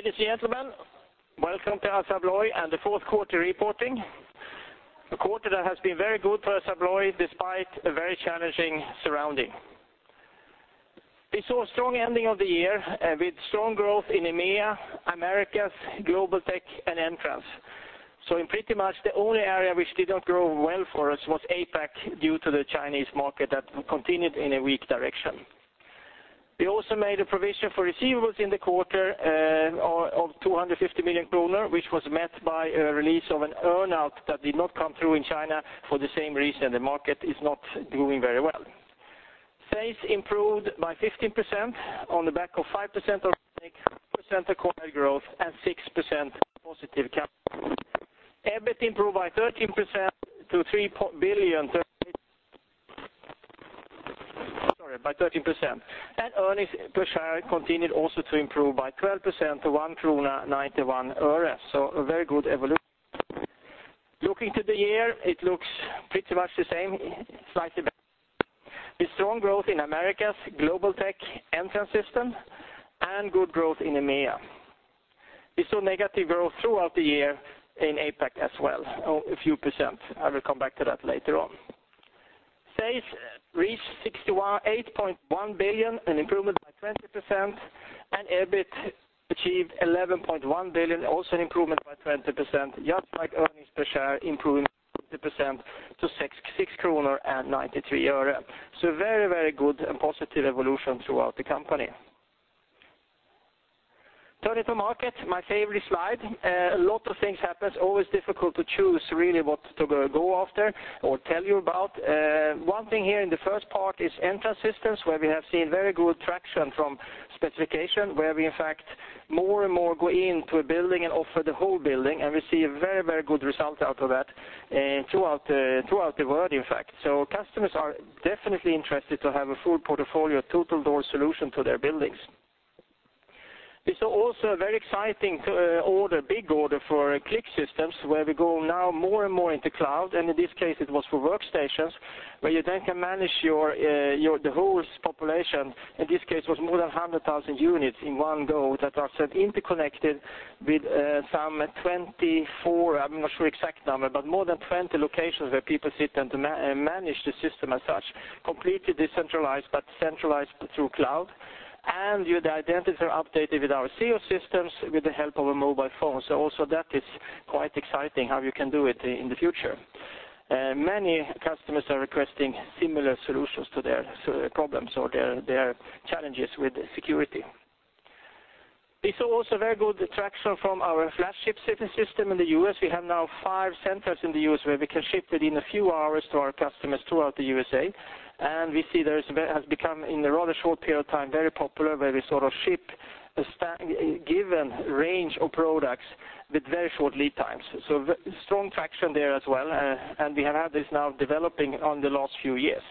Ladies and gentlemen, welcome to Assa Abloy and the fourth quarter reporting. A quarter that has been very good for Assa Abloy despite a very challenging surrounding. We saw a strong ending of the year with strong growth in EMEA, Americas, Global Tech, and Entrance. Pretty much the only area which did not grow well for us was APAC due to the Chinese market that continued in a weak direction. We also made a provision for receivables in the quarter of 250 million kronor, which was met by a release of an earn-out that did not come through in China for the same reason, the market is not doing very well. Sales improved by 15% on the back of 5% organic, 4% acquired growth, and 6% positive capital. EBIT improved by 13%. Earnings per share continued also to improve by 12% to SEK 1.91. A very good evolution. Looking to the year, it looks pretty much the same, slightly better. With strong growth in Americas, Global Tech, Entrance System, and good growth in EMEA. We saw negative growth throughout the year in APAC as well, a few percent. I will come back to that later on. Sales reached 68 billion, an improvement by 20%, and EBIT achieved 11.1 billion, also an improvement by 20%, just like earnings per share improved 20% to SEK 6.93. Very, very good and positive evolution throughout the company. Turning to market, my favorite slide. A lot of things happens, always difficult to choose really what to go after or tell you about. One thing here in the first part is Entrance Systems, where we have seen very good traction from specification, where we in fact more and more go into a building and offer the whole building, and we see a very, very good result out of that, throughout the world, in fact. Customers are definitely interested to have a full portfolio, total door solution to their buildings. We saw also a very exciting big order for CLIQ Systems, where we go now more and more into cloud, and in this case, it was for workstations, where you then can manage the whole population. In this case, it was more than 100,000 units in one go that are interconnected with some 24, I'm not sure exact number, but more than 20 locations where people sit and manage the system as such, completely decentralized, but centralized through cloud. The identities are updated with our Seos systems with the help of a mobile phone. Also that is quite exciting how you can do it in the future. Many customers are requesting similar solutions to their problems or their challenges with security. We saw also very good traction from our flagship shipping system in the U.S. We have now five centers in the U.S. where we can ship within a few hours to our customers throughout the USA. We see that it has become, in a rather short period of time, very popular, where we ship a given range of products with very short lead times. Strong traction there as well, and we have had this now developing on the last few years.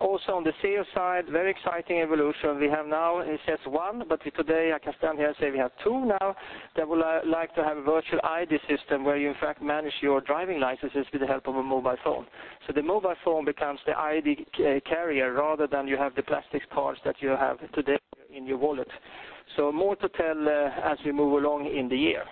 Also on the sales side, very exciting evolution. We have now, it says one, but today I can stand here and say we have two now that would like to have a virtual ID system where you in fact manage your driving licenses with the help of a mobile phone. The mobile phone becomes the ID carrier rather than you have the plastic cards that you have today in your wallet. More to tell as we move along in the year.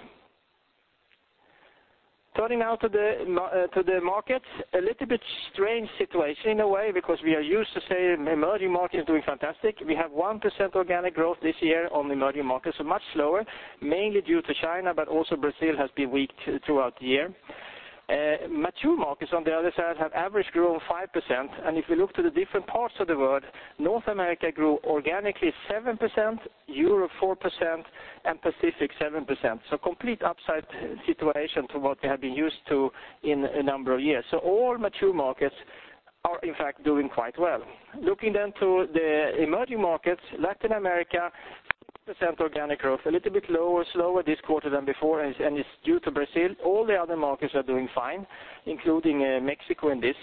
Turning now to the market, a little bit strange situation in a way because we are used to say emerging market is doing fantastic. We have 1% organic growth this year on emerging markets, so much slower, mainly due to China, but also Brazil has been weak throughout the year. Mature markets, on the other side, have average grown 5%. If we look to the different parts of the world, North America grew organically 7%, Europe 4%, and Pacific 7%. Complete upside situation to what we have been used to in a number of years. All mature markets are in fact doing quite well. Looking then to the emerging markets, Latin America, 5% organic growth, a little bit lower, slower this quarter than before, and it's due to Brazil. All the other markets are doing fine, including Mexico and this.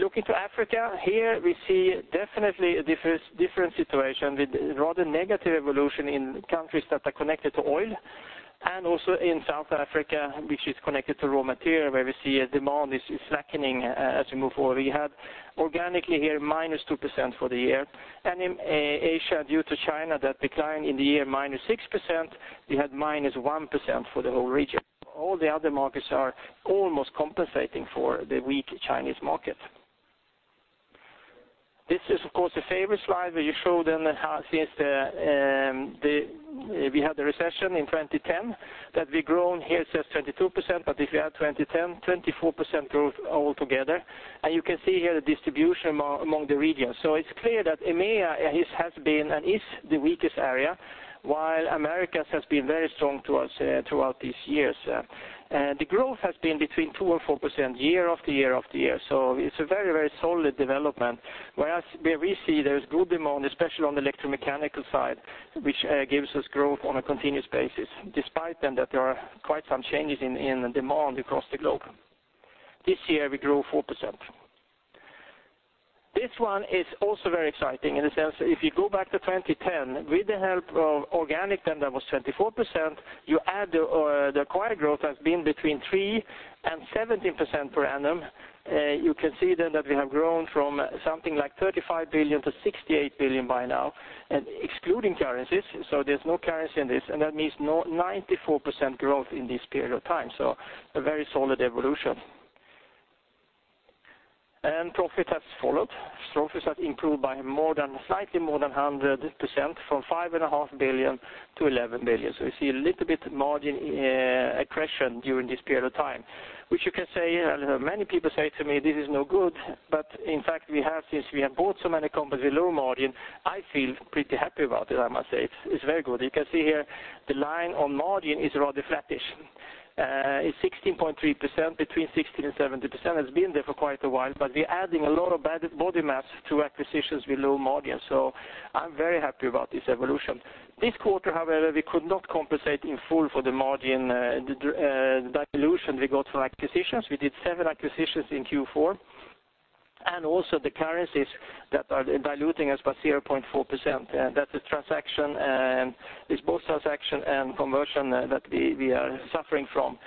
Looking to Africa, here we see definitely a different situation with rather negative evolution in countries that are connected to oil, and also in South Africa, which is connected to raw material, where we see demand is slackening as we move forward. We had organically here -2% for the year. In Asia, due to China, that decline in the year, -6%, we had -1% for the whole region. All the other markets are almost compensating for the weak Chinese market. This is of course a favorite slide where you show then since we had the recession in 2010, that we've grown here, it says 22%, but if you add 2010, 24% growth altogether. You can see here the distribution among the regions. It's clear that EMEA has been and is the weakest area, while Americas has been very strong throughout these years. The growth has been between 2% and 4% year after year after year. It's a very, very solid development. Where we see there's good demand, especially on the electromechanical side, which gives us growth on a continuous basis, despite then that there are quite some changes in demand across the globe. This year, we grew 4%. This one is also very exciting in the sense that if you go back to 2010, with the help of organic, then that was 24%, you add the acquired growth has been between 3% and 17% per annum. You can see then that we have grown from something like 35 billion to 68 billion by now, and excluding currencies. There's no currency in this, and that means 94% growth in this period of time. A very solid evolution. Profit has followed. Profit has improved by slightly more than 100%, from 5.5 billion to 11 billion. We see a little bit margin accretion during this period of time, which many people say to me, "This is no good," but in fact, since we have bought so many companies with low margin, I feel pretty happy about it, I must say. It's very good. You can see here the line on margin is rather flattish. It's 16.3%, between 16% and 17%. It's been there for quite a while, but we're adding a lot of body mass to acquisitions with low margin. I'm very happy about this evolution. This quarter, however, we could not compensate in full for the margin dilution we got for acquisitions. We did seven acquisitions in Q4, and also the currencies that are diluting us by 0.4%. That's both transaction and conversion that we are suffering from.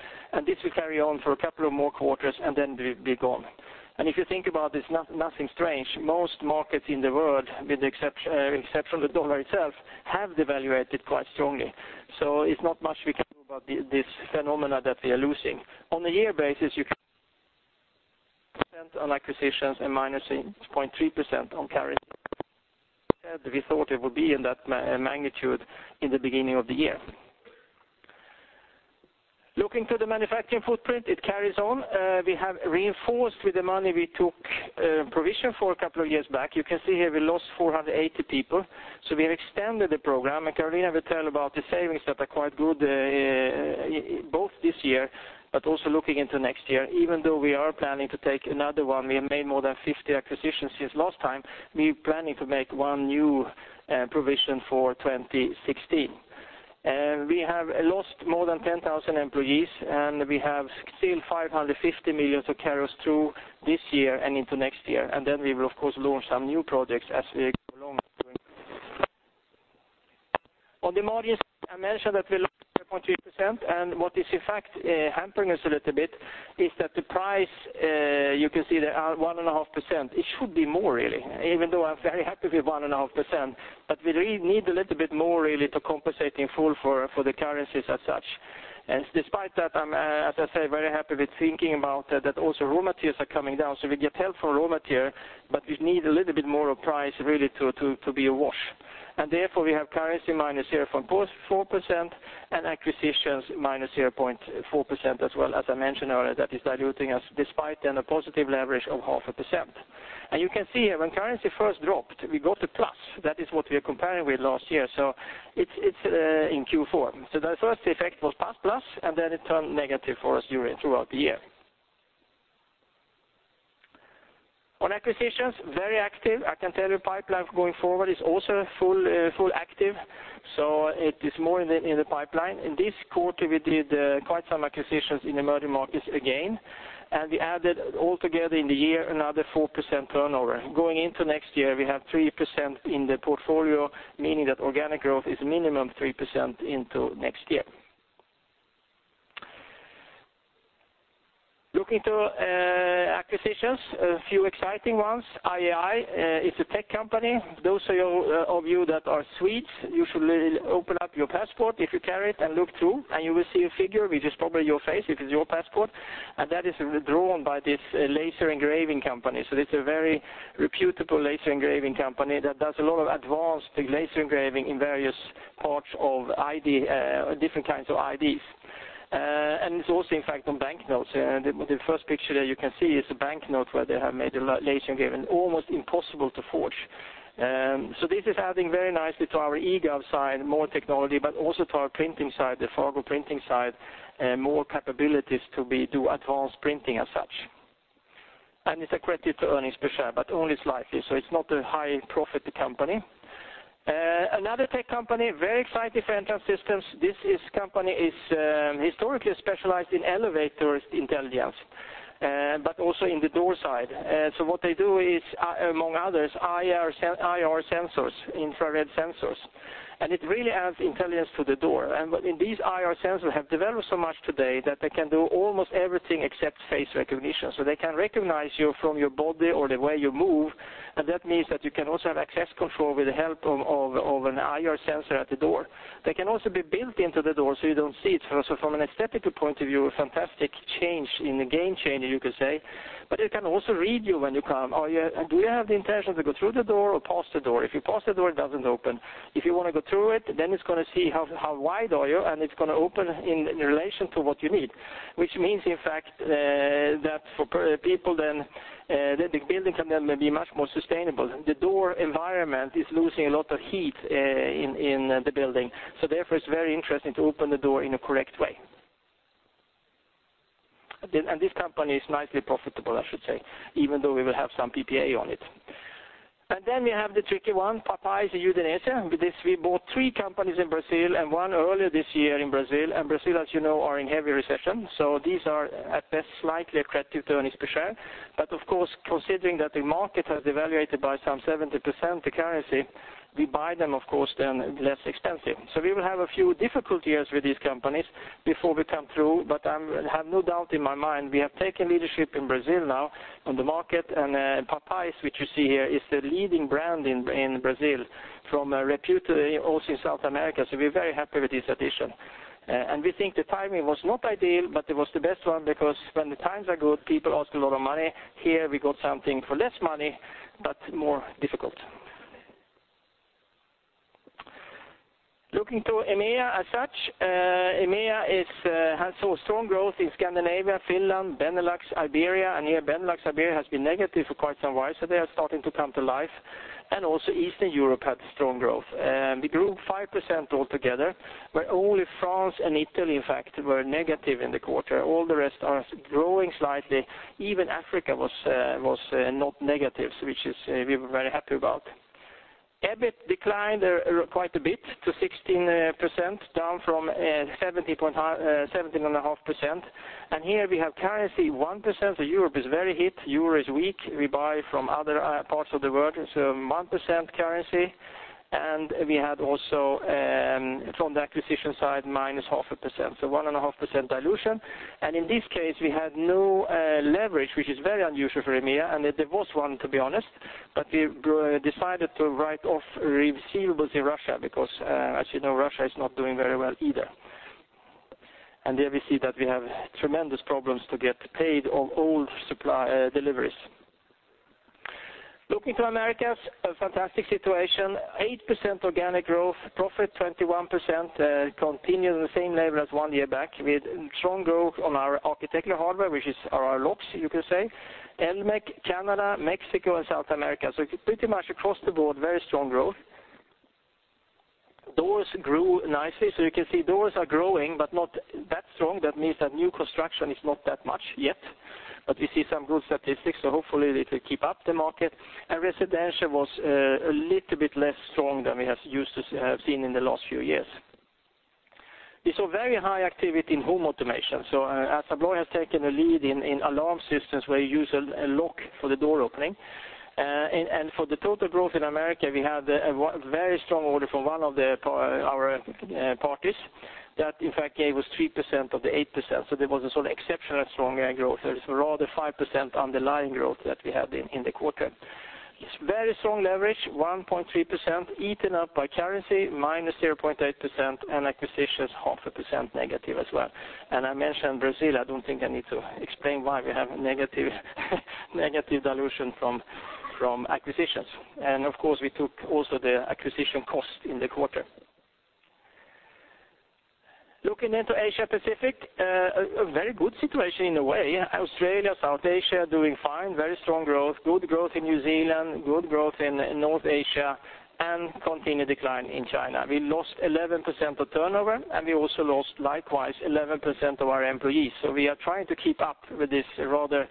This will carry on for a couple of more quarters, and then it will be gone. If you think about this, nothing strange. Most markets in the world, with the exception of the dollar itself, have devaluated quite strongly. It's not much we can do about this phenomena that we are losing. On a year basis, you on acquisitions and -0.3% on currency. We said we thought it would be in that magnitude in the beginning of the year. Looking to the manufacturing footprint, it carries on. We have reinforced with the money we took provision for a couple of years back. You can see here we lost 480 people. We've extended the program, and Carolina will tell about the savings that are quite good, both this year, but also looking into next year. Even though we are planning to take another one, we have made more than 50 acquisitions since last time, we're planning to make one new provision for 2016. We have lost more than 10,000 employees, and we have still 550 million to carry us through this year and into next year. Then we will, of course, launch some new projects as we go along. On the margins, I mentioned that we lost 0.2%. What is in fact hampering us a little bit is that the price, you can see there, 1.5%. It should be more really, even though I'm very happy with 1.5%, but we really need a little bit more really to compensate in full for the currencies as such. Despite that, I'm, as I said, very happy with thinking about that also raw materials are coming down. We get help from raw material, but we need a little bit more of price really to be awash. Therefore, we have currency -0.4% and acquisitions -0.4% as well. As I mentioned earlier, that is diluting us despite then a positive leverage of 0.5%. You can see here, when currency first dropped, we got a plus. That is what we are comparing with last year, so it's in Q4. The first effect was plus, then it turned negative for us throughout the year. On acquisitions, very active. I can tell you the pipeline going forward is also full active. It is more in the pipeline. In this quarter, we did quite some acquisitions in emerging markets again. We added all together in the year another 4% turnover. Going into next year, we have 3% in the portfolio, meaning that organic growth is minimum 3% into next year. Looking to acquisitions, a few exciting ones. IAI is a tech company. Those of you that are Swedes, you should open up your passport if you carry it and look through, and you will see a figure, which is probably your face if it's your passport, and that is drawn by this laser engraving company. This is a very reputable laser engraving company that does a lot of advanced laser engraving in various parts of different kinds of IDs. It is also, in fact, on banknotes. The first picture that you can see is a banknote where they have made a laser engraving, almost impossible to forge. This is adding very nicely to our eGov side, more technology, but also to our printing side, the Fargo printing side, more capabilities to do advanced printing as such. It is accretive to earnings per share, but only slightly. It is not a high profit company. Another tech company, very exciting for Entrance Systems. This company is historically specialized in elevator intelligence, but also in the door side. What they do is, among others, IR sensors, infrared sensors, and it really adds intelligence to the door. These IR sensors have developed so much today that they can do almost everything except face recognition. They can recognize you from your body or the way you move, and that means that you can also have access control with the help of an IR sensor at the door. They can also be built into the door, so you don't see it. From an aesthetic point of view, a fantastic change, and a game changer, you could say. It can also read you when you come. Do you have the intention to go through the door or past the door? If you pass the door, it doesn't open. If you want to go through it, then it is going to see how wide are you, and it is going to open in relation to what you need, which means, in fact, that the building can then be much more sustainable. The door environment is losing a lot of heat in the building. Therefore, it is very interesting to open the door in a correct way. This company is nicely profitable, I should say, even though we will have some PPA on it. Then we have the tricky one, Papaiz and Udinese. With this, we bought three companies in Brazil and one earlier this year in Brazil, and Brazil, as you know, are in heavy recession. These are at best slightly accretive to earnings per share. Of course, considering that the market has devaluated by some 70%, the currency, we buy them, of course, then less expensive. We will have a few difficult years with these companies before we come through, but I have no doubt in my mind we have taken leadership in Brazil now on the market. Papaiz, which you see here, is the leading brand in Brazil, from a repute also in South America. We are very happy with this addition. We think the timing was not ideal, but it was the best one because when the times are good, people ask a lot of money. Here we got something for less money, but more difficult. Looking to EMEA as such, EMEA has saw strong growth in Scandinavia, Finland, Benelux, Iberia, and here, Benelux, Iberia has been negative for quite some while, so they are starting to come to life, and also Eastern Europe had strong growth. We grew 5% altogether, where only France and Italy, in fact, were negative in the quarter. All the rest are growing slightly. Even Africa was not negative, which we were very happy about. EBIT declined quite a bit to 16%, down from 17.5%. Here we have currency 1%, so Europe is very hit. Euro is weak. We buy from other parts of the world, so 1% currency. We had also, from the acquisition side, minus 0.5%, so 1.5% dilution. In this case, we had no leverage, which is very unusual for EMEA, and there was one, to be honest, but we decided to write off receivables in Russia because, as you know, Russia is not doing very well either. There we see that we have tremendous problems to get paid on old deliveries. Looking to Americas, a fantastic situation. 8% organic growth, profit 21%, continuing the same level as one year back with strong growth on our architectural hardware, which is our locks, you could say. Emtek, Canada, Mexico, and South America. Pretty much across the board, very strong growth. Doors grew nicely. You can see doors are growing, but not that strong. That means that new construction is not that much yet, but we see some good statistics, so hopefully it will keep up the market. Residential was a little bit less strong than we have seen in the last few years. We saw very high activity in home automation, so Assa Abloy has taken a lead in alarm systems where you use a lock for the door opening. For the total growth in Americas, we had a very strong order from one of our parties. That, in fact, gave us 3% of the 8%, so there was a sort of exceptional strong growth. There is rather 5% underlying growth that we had in the quarter. Very strong leverage, 1.3%, eaten up by currency, minus 0.8%, and acquisitions, 0.5% negative as well. I mentioned Brazil. I don't think I need to explain why we have a negative dilution from acquisitions. Of course, we took also the acquisition cost in the quarter. Looking into Asia Pacific, a very good situation in a way. Australia, South Asia doing fine, very strong growth, good growth in New Zealand, good growth in North Asia, and continued decline in China. We lost 11% of turnover, and we also lost likewise 11% of our employees. We are trying to keep up with this rather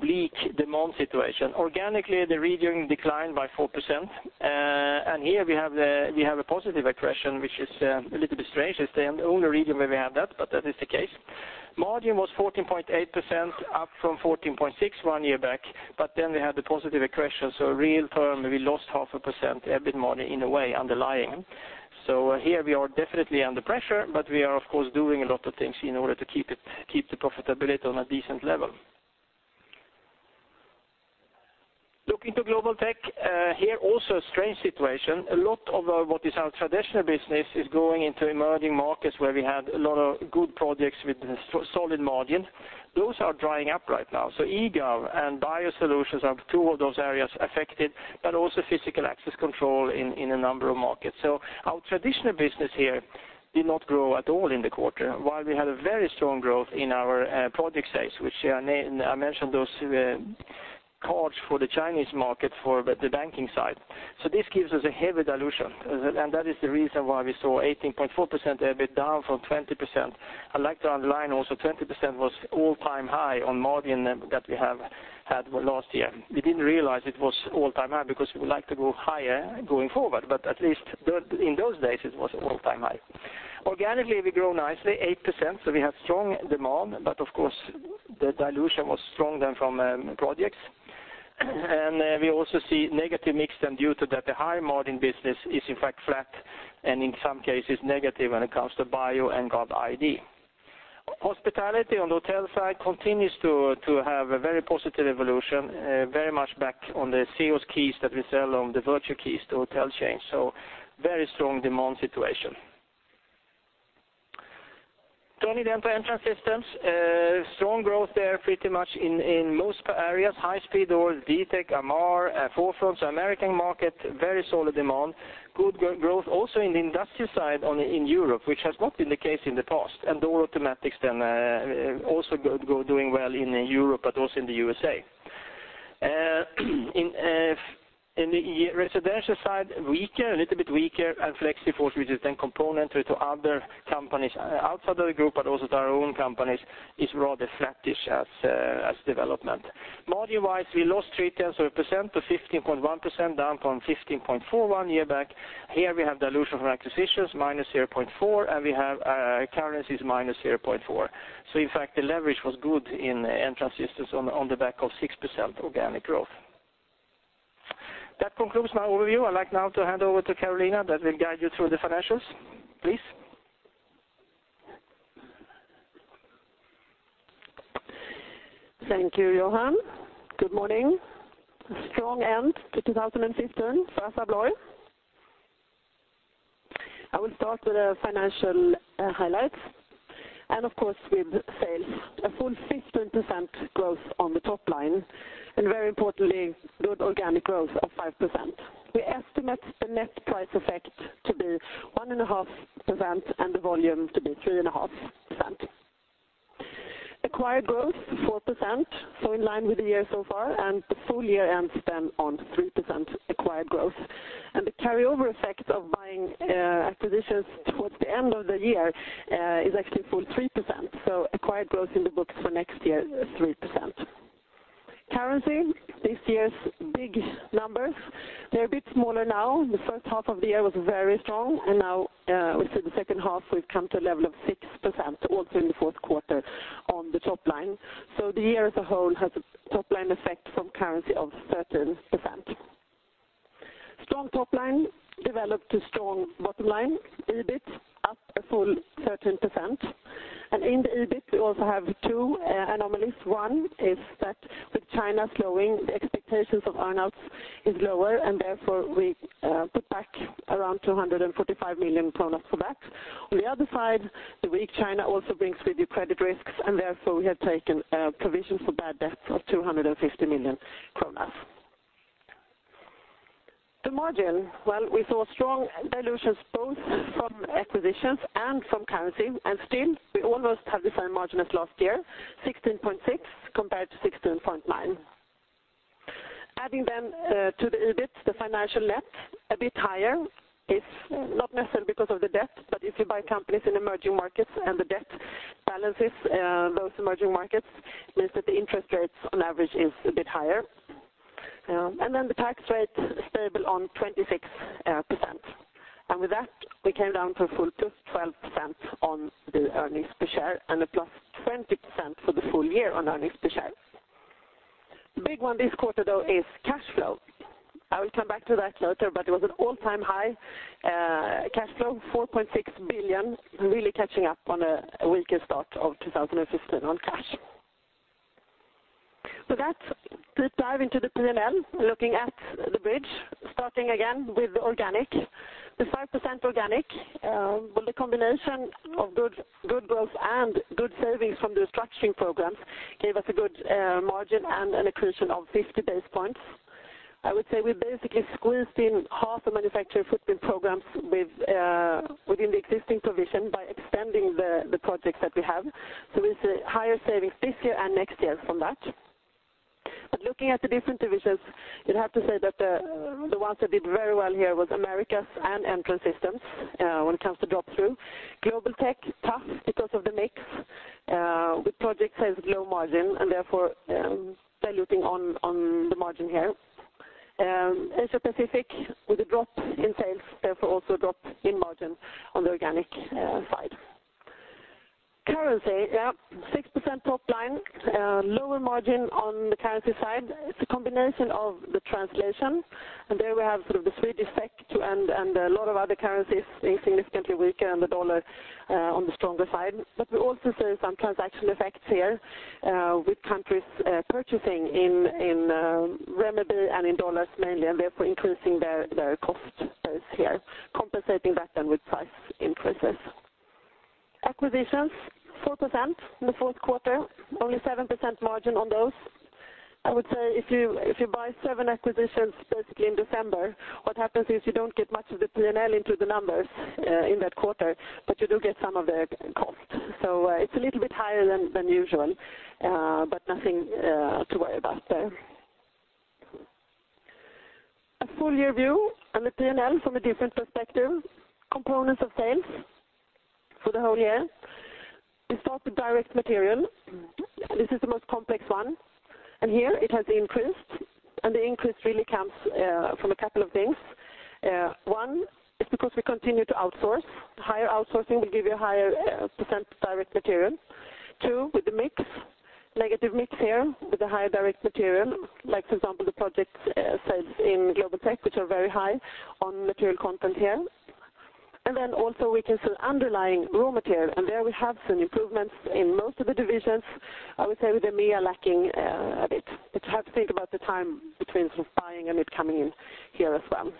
bleak demand situation. Organically, the region declined by 4%. Here we have a positive accretion, which is a little bit strange. It's the only region where we have that, but that is the case. Margin was 14.8%, up from 14.6% one year back, but then we had the positive accretion, so real term, we lost 0.5% EBIT margin in a way underlying. Here we are definitely under pressure, but we are of course doing a lot of things in order to keep the profitability on a decent level. Looking to Global Tech, here also a strange situation. A lot of what is our traditional business is going into emerging markets where we had a lot of good projects with solid margin. Those are drying up right now. eGov and Biosite are two of those areas affected, but also physical access control in a number of markets. Our traditional business here did not grow at all in the quarter, while we had a very strong growth in our project sales, which I mentioned those cards for the Chinese market for the banking side. This gives us a heavy dilution, and that is the reason why we saw 18.4% EBIT down from 20%. I'd like to underline also 20% was all-time high on margin that we have had last year. We didn't realize it was all-time high because we would like to go higher going forward, but at least in those days, it was all-time high. Organically, we grew nicely, 8%. We had strong demand, but of course, the dilution was strong than from projects. We also see negative mix then due to that the high-margin business is in fact flat, and in some cases negative when it comes to Biosite and GovID. Hospitality on the hotel side continues to have a very positive evolution, very much back on the Seos keys that we sell on the virtual keys to hotel chains. Very strong demand situation. Turning to Entrance Systems, strong growth there pretty much in most areas, high-speed doors, Ditec, Amarr, 4Front. American market, very solid demand. Good growth also in the industrial side in Europe, which has not been the case in the past. Door automatics then also doing well in Europe, but also in the U.S.A. In the residential side, a little bit weaker. FlexiForce, which is then component to other companies outside of the group, but also to our own companies, is rather flattish as development. Margin-wise, we lost three tenths of a percent to 15.1%, down from 15.4% one year back. Here we have dilution from acquisitions minus 0.4. We have currencies minus 0.4. In fact, the leverage was good in Entrance Systems on the back of 6% organic growth. That concludes my overview. I'd like now to hand over to Carolina that will guide you through the financials, please. Thank you, Johan. Good morning. A strong end to 2015 for Assa Abloy. I will start with the financial highlights. Of course, with sales, a full 15% growth on the top line. Very importantly, good organic growth of 5%. We estimate the net price effect to be 1.5% and the volume to be 3.5%. Acquired growth 4%, in line with the year so far. The full year ends then on 3% acquired growth. The carryover effect of buying acquisitions towards the end of the year is actually a full 3%. Acquired growth in the books for next year is 3%. Currency, this year's big numbers, they're a bit smaller now. The first half of the year was very strong. Now with the second half, we've come to a level of 6%, also in the fourth quarter on the top line. The year as a whole has a top-line effect from currency of 13%. Strong top line developed a strong bottom line, EBIT up a full 13%. In the EBIT, we also have two anomalies. One is that with China slowing, the expectations of earn outs is lower, and therefore we put back around 245 million for that. On the other side, the weak China also brings with you credit risks, and therefore we have taken a provision for bad debts of 250 million kronor. The margin, well, we saw strong dilutions both from acquisitions and from currency, and still we almost have the same margin as last year, 16.6% compared to 16.9%. Adding then to the EBIT, the financial net a bit higher is not necessarily because of the debt, but if you buy companies in emerging markets and the debt balances those emerging markets, means that the interest rates on average is a bit higher. The tax rate stable on 26%. We came down to a full +12% on the earnings per share and a +20% for the full year on earnings per share. The big one this quarter, though, is cash flow. I will come back to that later, but it was an all-time high cash flow, 4.6 billion, really catching up on a weaker start of 2015 on cash. Let's dive into the P&L, looking at the bridge, starting again with organic. The 5% organic, with the combination of good growth and good savings from the structuring programs, gave us a good margin and an accretion of 50 basis points. I would say we basically squeezed in half the manufacture footprint programs within the existing provision by extending the projects that we have. We see higher savings this year and next year from that. Looking at the different divisions, you'd have to say that the ones that did very well here was Americas and Entrance Systems when it comes to drop through. Global Tech, tough because of the mix, with project sales low margin and therefore diluting on the margin here. APAC with a drop in sales, therefore also a drop in margin on the organic side. Currency, yeah, 6% top line, lower margin on the currency side. It's a combination of the translation, and there we have sort of the SEK too, and a lot of other currencies being significantly weaker and the U.S. dollar on the stronger side. We also see some transaction effects here with countries purchasing in CNY and in USD mainly, and therefore increasing their cost base here, compensating that then with price increases. Acquisitions, 4% in the fourth quarter, only 7% margin on those. I would say if you buy seven acquisitions basically in December, what happens is you don't get much of the P&L into the numbers in that quarter, but you do get some of the cost. It's a little bit higher than usual, but nothing to worry about there. A full-year view on the P&L from a different perspective, components of sales for the whole year. We start with direct material. This is the most complex one. Here it has increased, the increase really comes from a couple of things. One is because we continue to outsource. Higher outsourcing will give you a higher % direct material. Two, with the mix, negative mix here with the higher direct material, like for example, the project sales in Global Tech, which are very high on material content here. We can see underlying raw material, there we have seen improvements in most of the divisions. I would say with EMEA lacking a bit. You have to think about the time between sort of buying and it coming in here as well.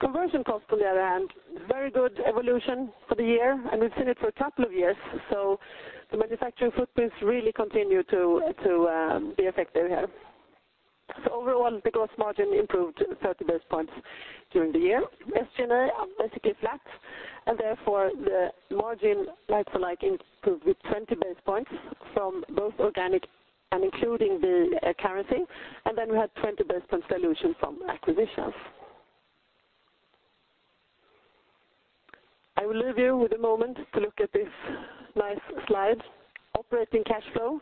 Conversion cost on the other hand, very good evolution for the year, and we've seen it for a couple of years. The manufacturing footprints really continue to be effective here. Overall, the gross margin improved 30 basis points during the year. SG&A up basically flat. Therefore, the margin like-for-like improved with 20 basis points from both organic and including the currency. We had 20 basis points dilution from acquisitions. I will leave you with a moment to look at this nice slide. Operating cash flow.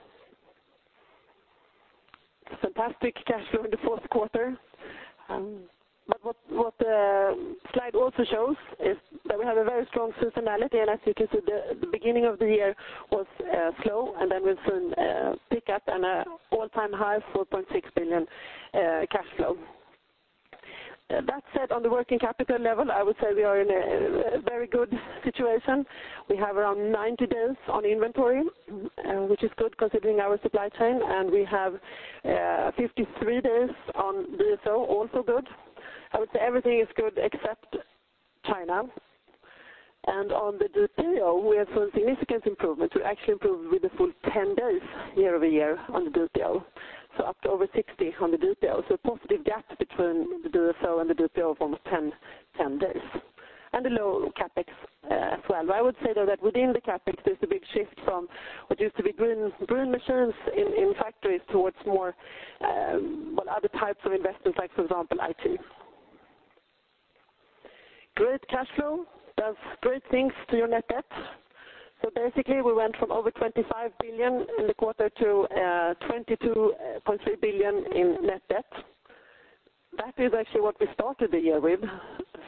Fantastic cash flow in the fourth quarter. What the slide also shows is that we have a very strong seasonality. As you can see, the beginning of the year was slow, we soon pick up an all-time high of 4.6 billion cash flow. That said, on the working capital level, I would say we are in a very good situation. We have around 90 days on inventory, which is good considering our supply chain, and we have 53 days on DSO, also good. I would say everything is good except China. On the DPO, we have seen significant improvement. We actually improved with a full 10 days year-over-year on the DPO, up to over 60 on the DPO. A positive gap between the DSO and the DPO of almost 10 days. A low CapEx as well. I would say, though, that within the CapEx, there's a big shift from what used to be growing machines in factories towards more other types of investments like, for example, IT. Great cash flow does great things to your net debt. Basically we went from over 25 billion in the quarter to 22.3 billion in net debt. That is actually what we started the year with.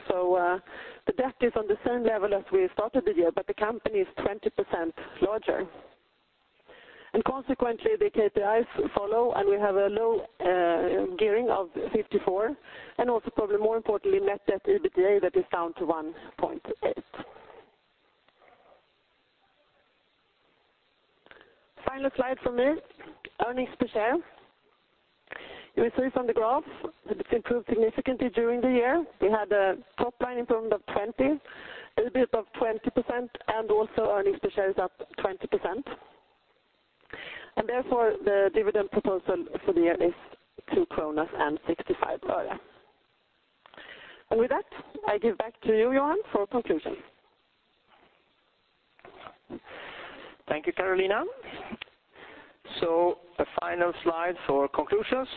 The debt is on the same level as we started the year, but the company is 20% larger. Consequently, the KPIs follow, we have a low gearing of 54, probably more importantly, net debt-EBITDA, that is down to 1.8. Final slide from me, earnings per share. You will see from the graph that it improved significantly during the year. We had a top-line improvement of 20%, EBIT of 20%, earnings per share is up 20%. The dividend proposal for the year is SEK 65. With that, I give back to you, Johan, for conclusion. Thank you, Carolina. A final slide for conclusions.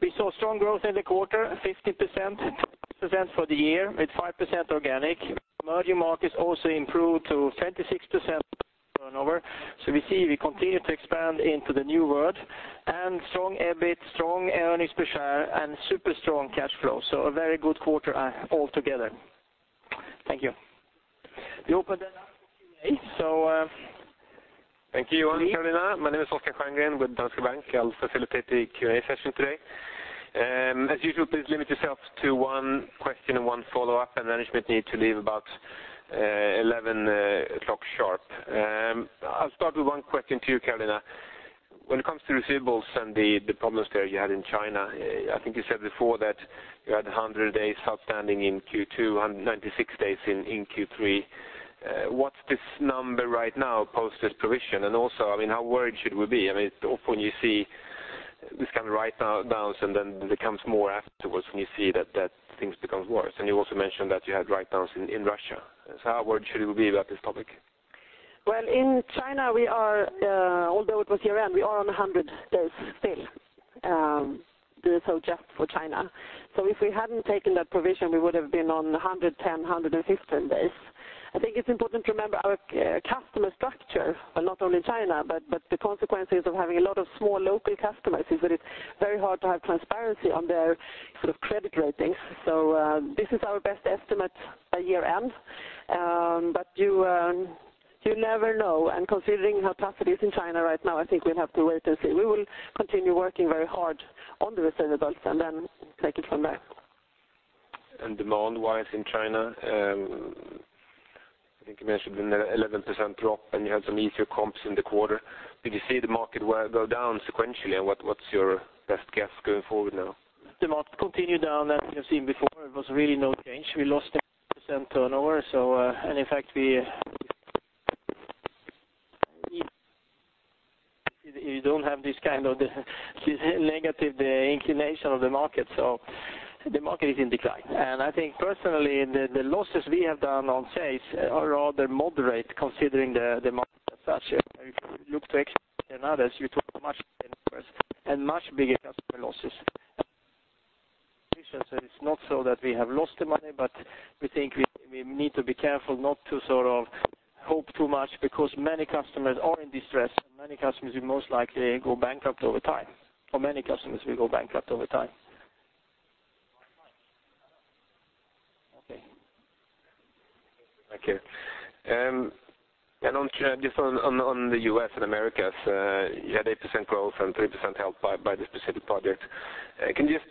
We saw strong growth in the quarter, 15%, 20% for the year, with 5% organic. Emerging markets also improved to 26% turnover. We see we continue to expand into the new world, and strong EBIT, strong earnings per share, and super strong cash flow. A very good quarter altogether. Thank you. We open it up for Q&A. Thank you, Johan and Carolina. My name is Oskar Kvarngren with Danske Bank. I'll facilitate the Q&A session today. As usual, please limit yourself to one question and one follow-up, and management need to leave about 11:00 A.M. sharp. I'll start with one question to you, Carolina. When it comes to receivables and the problems there you had in China, I think you said before that you had 100 days outstanding in Q2, 96 days in Q3. What's this number right now post this provision? Also, how worried should we be? Often you see this kind of write-downs, and then there comes more afterwards when you see that things become worse. You also mentioned that you had write-downs in Russia. How worried should we be about this topic? Well, in China, although it was year-end, we are on 100 days still. DSO just for China. If we hadn't taken that provision, we would have been on 110, 115 days. I think it's important to remember our customer structure, not only China, but the consequences of having a lot of small local customers is that it's very hard to have transparency on their credit ratings. This is our best estimate at year-end. You never know, and considering how tough it is in China right now, I think we'll have to wait and see. We will continue working very hard on the receivables and then take it from there. Demand-wise in China, I think you mentioned an 11% drop, and you had some easier comps in the quarter. Did you see the market go down sequentially, and what's your best guess going forward now? Demand continued down as we have seen before. It was really no change. We lost 10% turnover. In fact, you don't have this kind of negative inclination of the market, the market is in decline. I think personally, the losses we have done on sales are rather moderate considering the market as such. If you look to X and others, you talk much bigger numbers and much bigger customer losses. It's not so that we have lost the money, but we think we need to be careful not to hope too much because many customers are in distress and many customers will most likely go bankrupt over time, or many customers will go bankrupt over time. Okay. Thank you. Just on the U.S. and Americas, you had 8% growth and 3% helped by the specific project. Can you just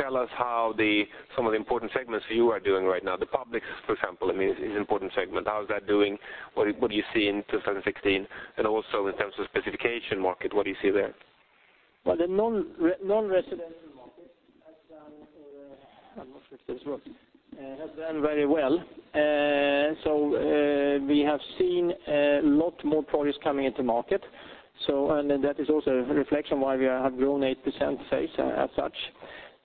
tell us how some of the important segments you are doing right now? The public, for example, is an important segment. How is that doing? What do you see in 2016? Also in terms of specification market, what do you see there? Well, the non-residential market has done very well. We have seen a lot more products coming into market. That is also a reflection why we have grown 8% sales as such.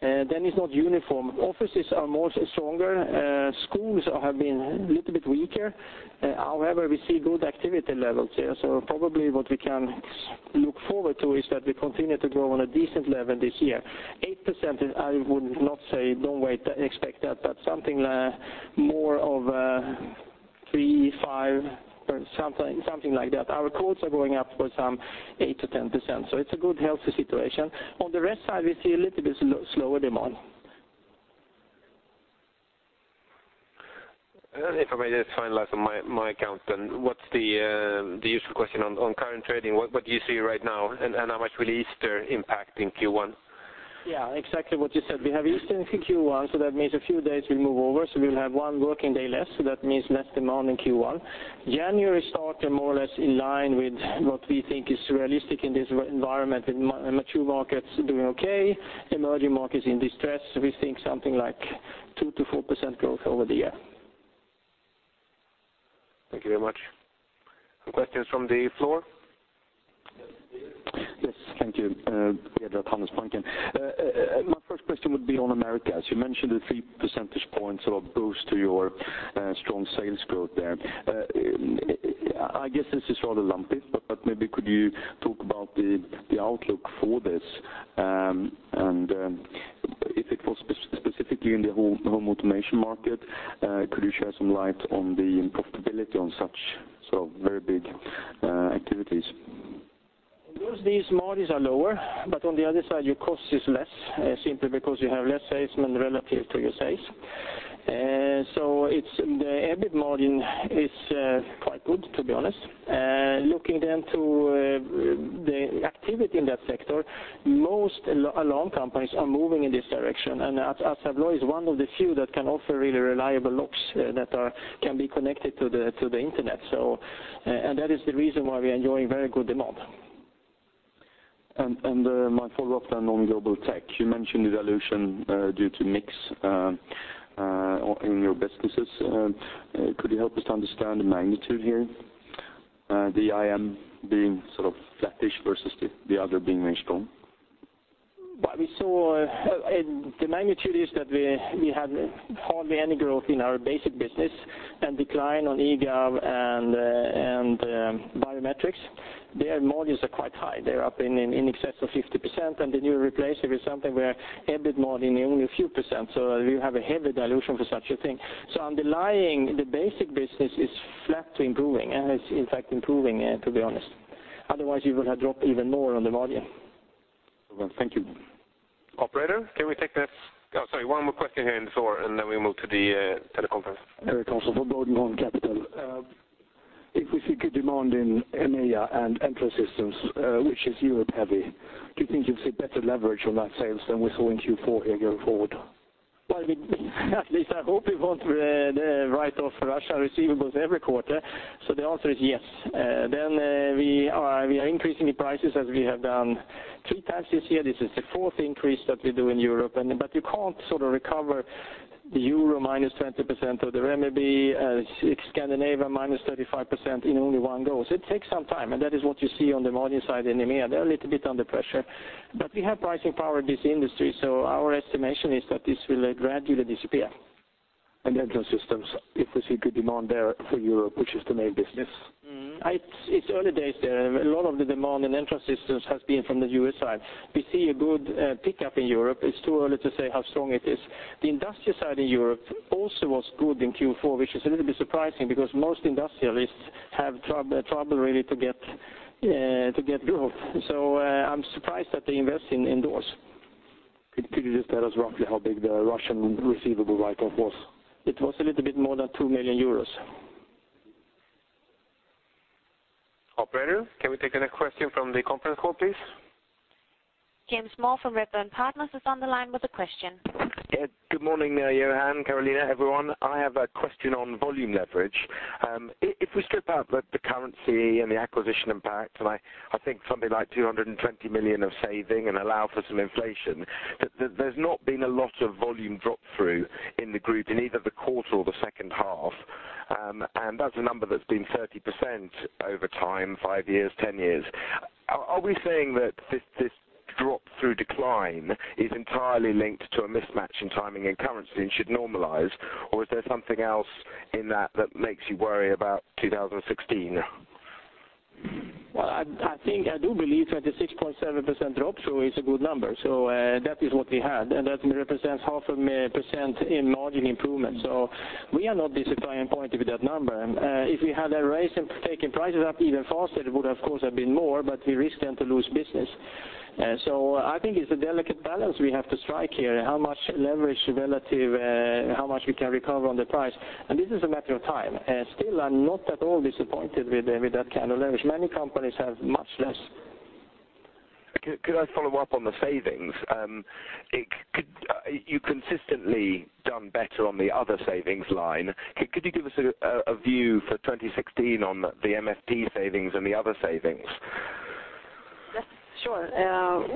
It's not uniform. Offices are more stronger. Schools have been a little bit weaker. However, we see good activity levels here. Probably what we can look forward to is that we continue to grow on a decent level this year. 8%, I would not say, don't expect that, but something more of 3%-5% something like that. Our quotes are going up for some 8%-10%. It's a good healthy situation. On the Res side, we see a little bit slower demand. If I may just finalize on my account, what's the usual question on current trading? What do you see right now and how much will Easter impact in Q1? Yeah, exactly what you said. We have Easter in Q1, that means a few days will move over. We'll have one working day less, that means less demand in Q1. January started more or less in line with what we think is realistic in this environment with mature markets doing okay, emerging markets in distress. We think something like 2%-4% growth over the year. Thank you very much. Questions from the floor? Yes. Thank you. Yeah. Hannes Pankin. My first question would be on Americas. You mentioned a few percentage points of a boost to your strong sales growth there. I guess this is rather lumpy, but maybe could you talk about the outlook for this? If it was specifically in the home automation market, could you shed some light on the profitability on such very big activities? Those days margins are lower, but on the other side, your cost is less, simply because you have less salesmen relative to your sales. The EBIT margin is quite good, to be honest. Looking then to the activity in that sector, most alarm companies are moving in this direction, and Assa Abloy is one of the few that can offer really reliable locks that can be connected to the internet. That is the reason why we are enjoying very good demand. My follow-up then on Global Tech. You mentioned the dilution due to mix in your businesses. Could you help us to understand the magnitude here? The IM being sort of flattish versus the other being very strong. What we saw, the magnitude is that we have hardly any growth in our basic business and decline on eGov and biometrics. Their margins are quite high. They're up in excess of 50%, and the new replacement is something where EBIT margin is only a few percent, so you have a heavy dilution for such a thing. Underlying, the basic business is flat to improving, and it's in fact improving, to be honest. Otherwise, you will have dropped even more on the margin. Well, thank you. Operator, can we take the next. Oh, sorry. One more question here in the floor, and then we move to the teleconference. Erik Josefsson from Bohlins Van Capellen. If we see good demand in EMEA and Entrance Systems which is Europe heavy, do you think you'll see better leverage on that sales than we saw in Q4 here going forward? Well, at least I hope we won't write off Russia receivables every quarter. The answer is yes. We are increasing the prices as we have done three times this year. This is the fourth increase that we do in Europe, you can't sort of recover the EUR minus 20% or the CNY, Scandinavia minus 35% in only one go. It takes some time, and that is what you see on the margin side in EMEA. They're a little bit under pressure. We have pricing power in this industry, our estimation is that this will gradually disappear. Entrance Systems, if we see good demand there for Europe, which is the main business? It's early days there. A lot of the demand in Entrance Systems has been from the U.S. side. We see a good pick-up in Europe. It's too early to say how strong it is. The industrial side in Europe also was good in Q4, which is a little bit surprising because most industrialists have trouble really to get growth. I'm surprised that they invest indoors. Could you just tell us roughly how big the Russian receivable write-off was? It was a little bit more than 2 million euros. Operator, can we take the next question from the conference call, please? James Moore from Redburn Partners is on the line with a question. Yeah. Good morning there, Johan, Carolina, everyone. I have a question on volume leverage. If we strip out the currency and the acquisition impact, and I think something like 220 million of saving and allow for some inflation, there's not been a lot of volume drop-through in the group in either the quarter or the second half, and that's a number that's been 30% over time, five years, 10 years. Are we saying that this drop-through decline is entirely linked to a mismatch in timing and currency and should normalize? Is there something else in that that makes you worry about 2016? Well, I do believe 36.7% drop-through is a good number, that is what we had, and that represents half a percent in margin improvement, we are not disappointed with that number. If we had taken prices up even faster, it would of course have been more, we risk then to lose business. I think it's a delicate balance we have to strike here, how much leverage relative how much we can recover on the price. This is a matter of time. Still, I'm not at all disappointed with that kind of leverage. Many companies have much less. Could I follow up on the savings? You consistently done better on the other savings line. Could you give us a view for 2016 on the MFT savings and the other savings? Sure.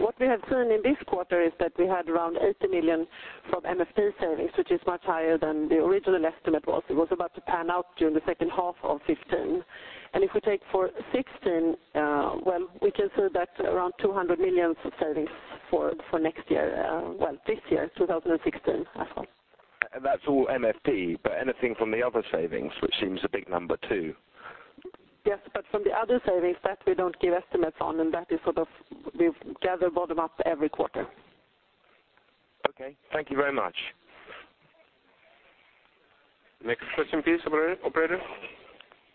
What we have seen in this quarter is that we had around 80 million from MFT savings, which is much higher than the original estimate was. It was about to pan out during the second half of 2015. If we take for 2016, we can say that around 200 million of savings for this year, 2016, as well. That's all MFT, anything from the other savings, which seems a big number too? From the other savings, that we don't give estimates on, we gather bottom up every quarter. Okay. Thank you very much. Next question, please, operator?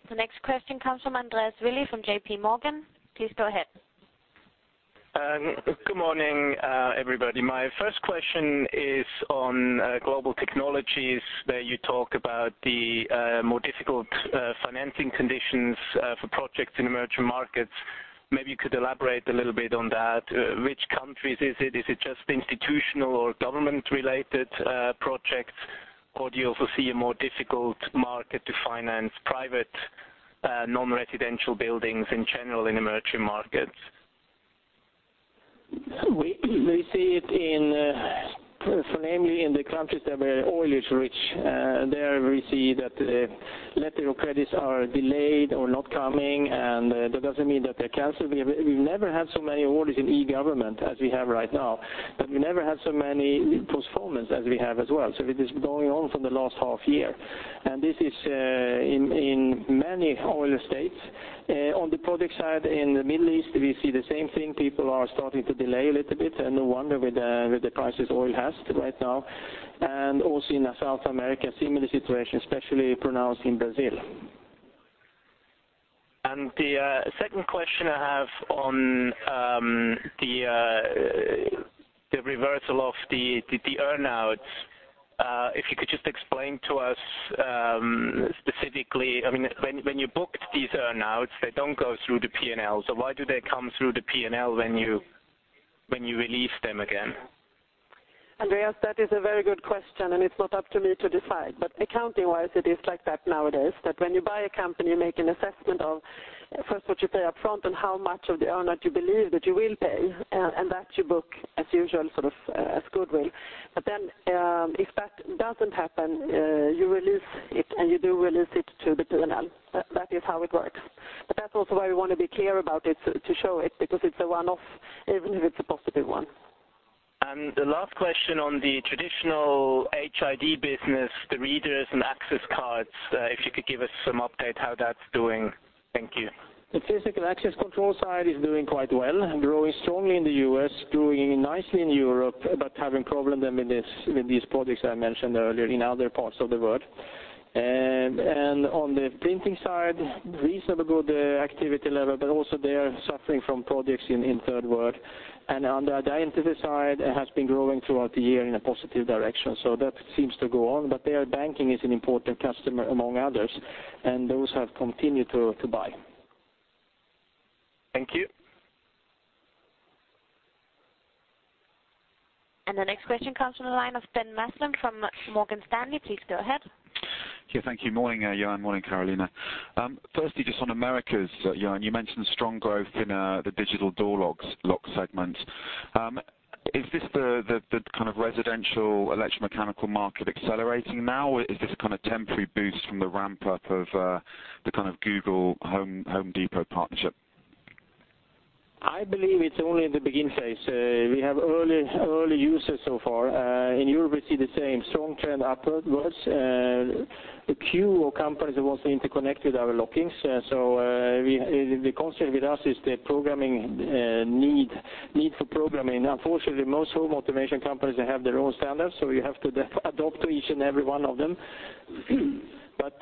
The next question comes from Andreas Willi from J.P. Morgan. Please go ahead. Good morning, everybody. My first question is on Global Technologies, where you talk about the more difficult financing conditions for projects in emerging markets. Maybe you could elaborate a little bit on that. Which countries is it? Is it just institutional or government-related projects, or do you foresee a more difficult market to finance private, non-residential buildings in general in emerging markets? We see it in, namely in the countries that were oil-rich. There we see that letter of credits are delayed or not coming, and that doesn't mean that they're canceled. We've never had so many orders in e-government as we have right now, but we never had so many postponements as we have as well. It is going on from the last half year, and this is in many oil states. On the product side, in the Middle East, we see the same thing. People are starting to delay a little bit, and no wonder with the prices oil has right now, and also in South America, similar situation, especially pronounced in Brazil. The second question I have on the reversal of the earn-outs. If you could just explain to us specifically, when you booked these earn-outs, they don't go through the P&L, why do they come through the P&L when you release them again? Andreas, that is a very good question. It's not up to me to decide, but accounting-wise, it is like that nowadays, that when you buy a company, you make an assessment of first what you pay up front and how much of the earn-out you believe that you will pay, and that you book as usual, sort of as goodwill. If that doesn't happen, you release it, and you do release it to the P&L. That is how it works. That's also why we want to be clear about it to show it, because it's a one-off, even if it's a positive one. The last question on the traditional HID business, the readers and access cards, if you could give us some update how that's doing. Thank you. The physical access control side is doing quite well, growing strongly in the U.S., growing nicely in Europe, having problem with these projects I mentioned earlier in other parts of the world. On the printing side, reasonable good activity level, but also there suffering from projects in third world. On the identity side, it has been growing throughout the year in a positive direction. That seems to go on, but there banking is an important customer among others, and those have continued to buy. Thank you. The next question comes from the line of Ben Maslen from Morgan Stanley. Please go ahead. Thank you. Morning, Johan. Morning, Carolina. Firstly, just on Americas, Johan, you mentioned strong growth in the digital door locks segment. Is this the kind of residential electromechanical market accelerating now, or is this a kind of temporary boost from the ramp-up of the Google Home Depot partnership? I believe it's only in the beginning phase. We have early users so far. In Europe, we see the same strong trend upwards. A few companies also interconnect with our lockings, so the concern with us is the need for programming. Unfortunately, most home automation companies have their own standards, so we have to adopt to each and every one of them.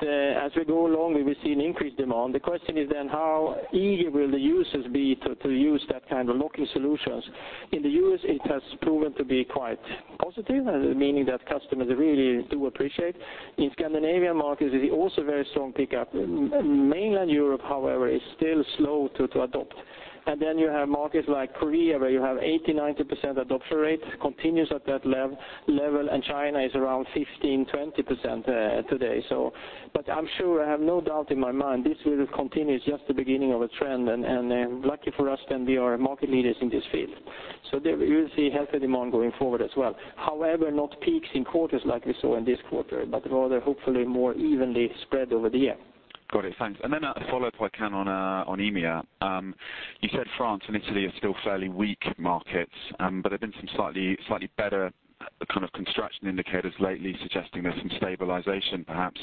As we go along, we will see an increased demand. The question is then how eager will the users be to use that kind of locking solutions? In the U.S., it has proven to be quite positive, meaning that customers really do appreciate. In Scandinavian markets, it is also very strong pickup. Mainland Europe, however, is still slow to adopt. You have markets like Korea, where you have 80%-90% adoption rate, continues at that level, and China is around 15%-20% today. I'm sure, I have no doubt in my mind, this will continue. It's just the beginning of a trend, lucky for us then we are market leaders in this field. There we will see healthy demand going forward as well. Not peaks in quarters like we saw in this quarter, rather hopefully more evenly spread over the year. Got it. Thanks. Then a follow-up, if I can, on EMEA. You said France and Italy are still fairly weak markets, there have been some slightly better kind of construction indicators lately suggesting there's some stabilization, perhaps.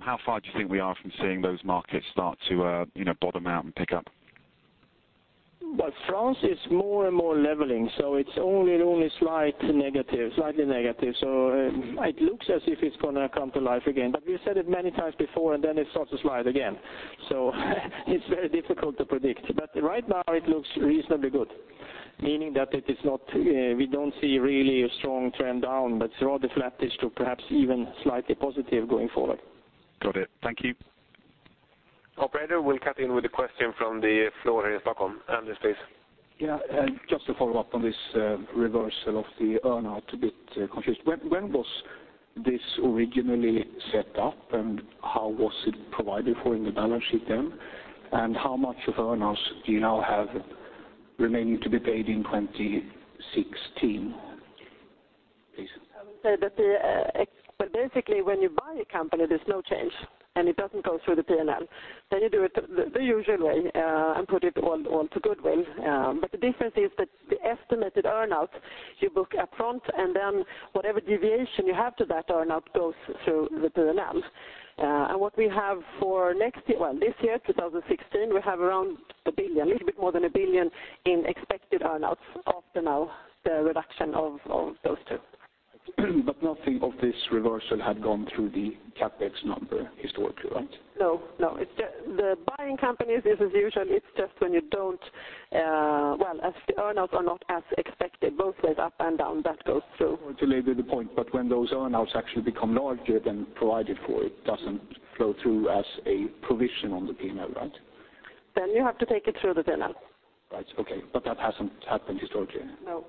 How far do you think we are from seeing those markets start to bottom out and pick up? France is more and more leveling, it's only slightly negative. It looks as if it's going to come to life again, we've said it many times before, then it starts to slide again. It's very difficult to predict, right now it looks reasonably good, meaning that we don't see really a strong trend down, rather flattish to perhaps even slightly positive going forward. Got it. Thank you. Operator, we'll cut in with a question from the floor here in Stockholm. Anders, please. Yeah, just to follow up on this reversal of the earn-out, a bit confused. This originally set up, how was it provided for in the balance sheet then? How much of earn-outs do you now have remaining to be paid in 2016? Please. I would say that, basically, when you buy a company, there's no change, and it doesn't go through the P&L. You do it the usual way and put it all onto goodwill. The difference is that the estimated earn-out, you book upfront, and then whatever deviation you have to that earn-out goes through the P&L. What we have for this year, 2016, we have around 1 billion, a little bit more than 1 billion, in expected earn-outs after now the reduction of those two. Nothing of this reversal had gone through the CapEx number historically, right? No. The buying companies is as usual. It's just when the earn-outs are not as expected, both ways, up and down, that goes through. To labor the point, when those earn-outs actually become larger than provided for, it doesn't flow through as a provision on the P&L, right? You have to take it through the P&L. Right. Okay, that hasn't happened historically. No.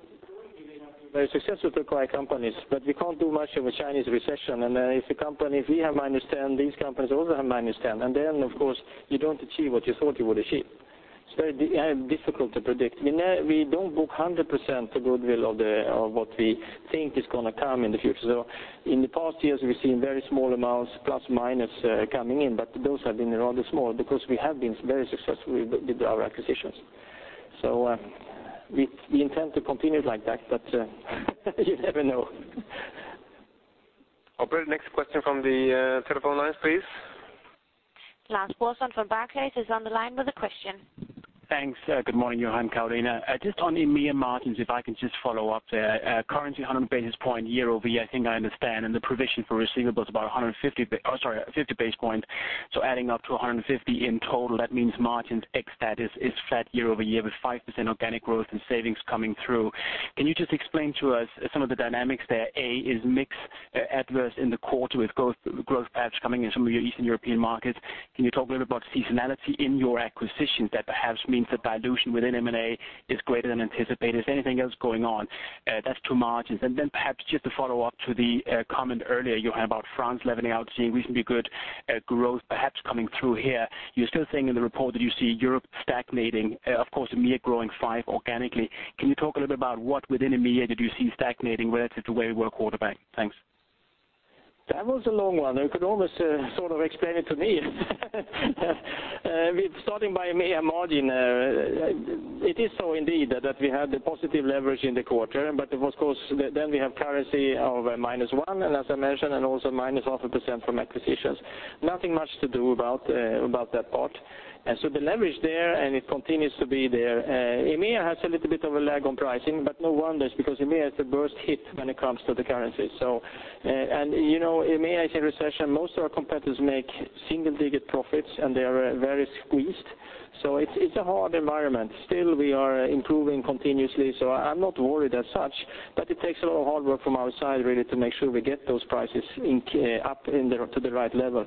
We have been very successful to acquire companies, we can't do much of a Chinese recession. If we have -10%, these companies also have -10%, then, of course, you don't achieve what you thought you would achieve. It's very difficult to predict. We don't book 100% the goodwill of what we think is going to come in the future. In the past years, we've seen very small amounts, plus or minus, coming in, but those have been rather small because we have been very successful with our acquisitions. We intend to continue like that, but you never know. Operator, next question from the telephone lines, please. Lars Brorson from Barclays is on the line with a question. Thanks. Good morning, Johan, Carolina. Just on EMEA margins, if I can just follow up there. Currency 100 basis point year-over-year, I think I understand, and the provision for receivables about 50 basis points. Adding up to 150 in total, that means margins ex that is flat year-over-year with 5% organic growth and savings coming through. Can you just explain to us some of the dynamics there? A, is mix adverse in the quarter with growth perhaps coming in some of your Eastern European markets? Can you talk a little bit about seasonality in your acquisitions that perhaps means that dilution within M&A is greater than anticipated? Is there anything else going on? That's two margins. Perhaps just to follow up to the comment earlier, Johan, about France leveling out, seeing reasonably good growth perhaps coming through here. You're still saying in the report that you see Europe stagnating, of course, EMEA growing 5% organically. Can you talk a little bit about what within EMEA did you see stagnating relative to where we were quarter back? Thanks. That was a long one. You could almost sort of explain it to me. Starting by EMEA margin, it is so indeed that we had the positive leverage in the quarter, we have currency of minus 1%, as I mentioned, and also minus 0.5% from acquisitions. Nothing much to do about that part. The leverage there, and it continues to be there. EMEA has a little bit of a lag on pricing, no wonders, because EMEA is the worst hit when it comes to the currency. EMEA is in recession. Most of our competitors make single-digit profits, and they are very squeezed. It's a hard environment. Still, we are improving continuously, I'm not worried as such, it takes a lot of hard work from our side, really, to make sure we get those prices up to the right level.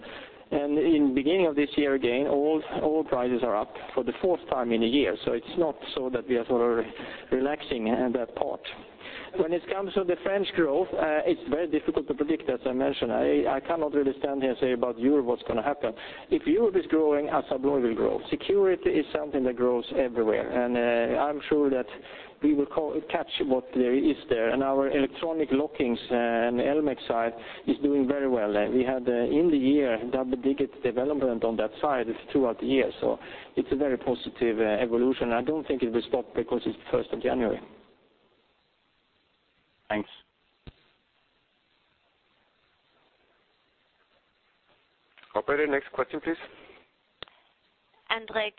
In the beginning of this year, again, all prices are up for the fourth time in a year, it's not so that we are sort of relaxing in that part. When it comes to the French growth, it's very difficult to predict, as I mentioned. I cannot really stand here and say about Europe what's going to happen. If Europe is growing, Assa Abloy will grow. Security is something that grows everywhere, and I'm sure that we will catch what there is there. Our electronic lockings and Emtek side is doing very well. We had, in the year, double-digit development on that side throughout the year, it's a very positive evolution. I don't think it will stop because it's the first of January. Thanks. Operator, next question, please. Andre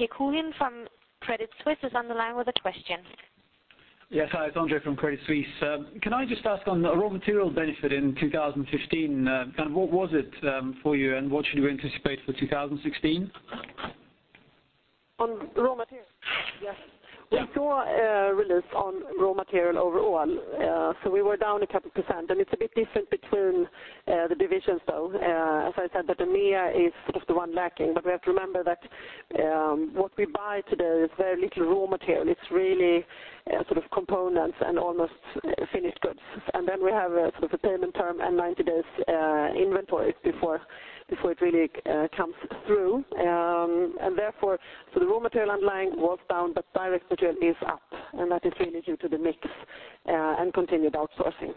Kukhnin from Credit Suisse is on the line with a question. Yes, hi, it's Andre from Credit Suisse. Can I just ask on the raw material benefit in 2015, what was it for you, and what should we anticipate for 2016? On raw material? Yes. We saw a release on raw material overall, so we were down a couple %, it's a bit different between the divisions, though. As I said, that EMEA is sort of the one lacking, but we have to remember that what we buy today is very little raw material. It's really components and almost finished goods. Then we have a sort of a payment term and 90 days inventory before it really comes through. Therefore, so the raw material underlying was down, but direct material is up, that is really due to the mix and continued outsourcing.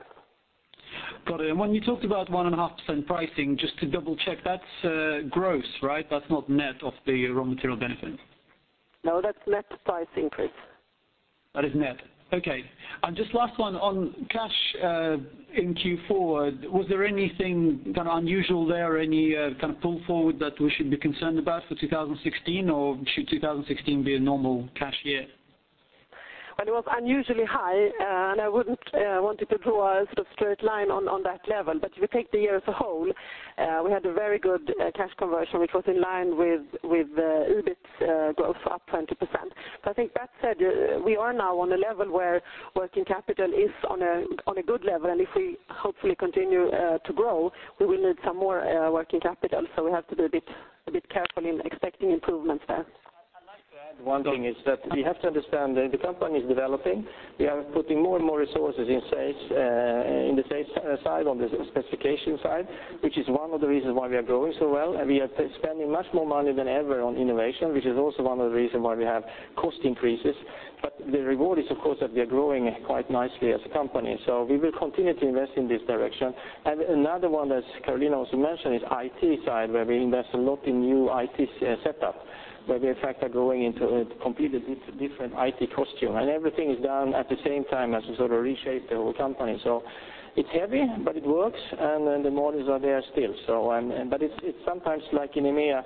Got it, when you talked about 1.5% pricing, just to double-check, that's gross, right? That's not net of the raw material benefit. No, that's net price increase. That is net. Okay. Just last one on cash in Q4, was there anything unusual there, any kind of pull forward that we should be concerned about for 2016, or should 2016 be a normal cash year? Well, it was unusually high, I wouldn't want to draw a sort of straight line on that level. If you take the year as a whole, we had a very good cash conversion, which was in line with EBIT growth up 20%. I think that said, we are now on a level where working capital is on a good level, if we hopefully continue to grow, we will need some more working capital, we have to be a bit careful in expecting improvements there. One thing is that we have to understand that the company is developing. We are putting more resources in the sales side, on the specification side, which is one of the reasons why we are growing so well. We are spending much more money than ever on innovation, which is also one of the reasons why we have cost increases. The reward is, of course, that we are growing quite nicely as a company. We will continue to invest in this direction. Another one, as Carolina also mentioned, is IT side, where we invest a lot in new IT setup, where we, in fact, are going into a completely different IT costume. Everything is done at the same time as we sort of reshape the whole company. It's heavy, but it works, and the models are there still. It's sometimes, like in EMEA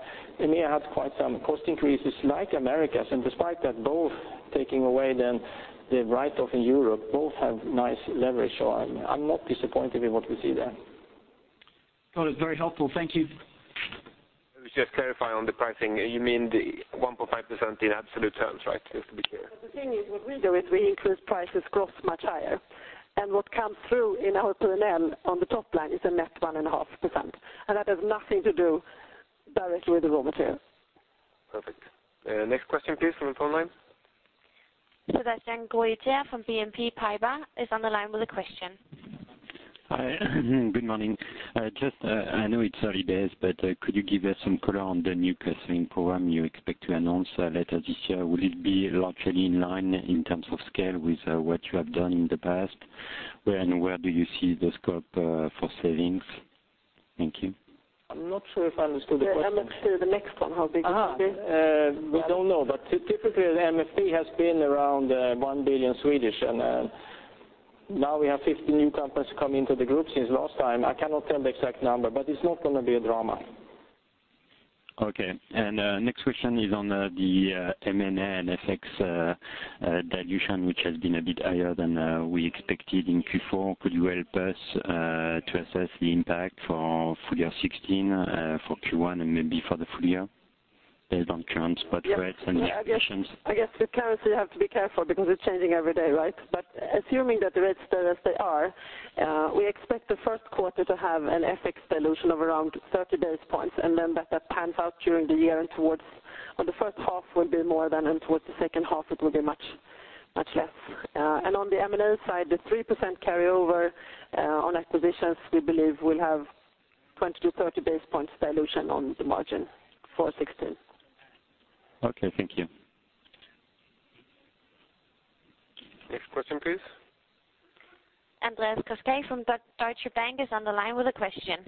had quite some cost increases, like Americas. Despite that, both taking away the write-off in Europe, both have nice leverage. I'm not disappointed with what we see there. Got it. Very helpful. Thank you. Let me just clarify on the pricing. You mean the 1.5% in absolute terms, right? Just to be clear. The thing is, what we do is we increase prices gross much higher. What comes through in our P&L on the top line is a net 1.5%. That has nothing to do directly with the raw material. Perfect. Next question, please, from the phone line. Sebastien Goulet from BNP Paribas is on the line with a question. Hi. Good morning. Just, I know it's early days, but could you give us some color on the new cost-saving program you expect to announce later this year? Will it be largely in line in terms of scale with what you have done in the past? Where do you see the scope for savings? Thank you. I'm not sure if I understood the question. The MSP, the next one, how big it will be. We don't know, but typically, the MSP has been around 1 billion SEK. Now we have 50 new companies come into the group since last time. I cannot tell the exact number, but it's not going to be a drama. Okay. Next question is on the M&A and FX dilution, which has been a bit higher than we expected in Q4. Could you help us to assess the impact for full year 2016, for Q1, and maybe for the full year, based on current spot rates and the acquisitions? I guess with currency, you have to be careful because it's changing every day, right? Assuming that they are still as they are, we expect the first quarter to have an FX dilution of around 30 basis points, and then that pans out during the year and towards the first half will be more than, and towards the second half, it will be much less. On the M&A side, the 3% carryover on acquisitions, we believe will have 20 to 30 basis points dilution on the margin for 2016. Okay, thank you. Next question, please. Andreas Koski from Deutsche Bank is on the line with a question.